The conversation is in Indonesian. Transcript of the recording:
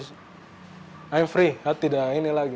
saya tidak lagi